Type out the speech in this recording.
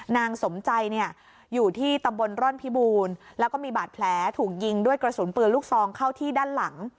นางสมใจเนี่ยอยู่ที่ตำบลร่อนพิบูรณ์แล้วก็มีบาดแผลถูกยิงด้วยกระสุนปืนลูกซองเข้าที่ด้านหลัง